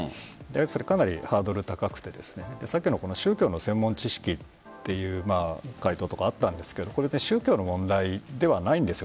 かなりハードルが高くてさっきの宗教の専門知識という回答とかもあったんですがこれは宗教の問題ではないんです。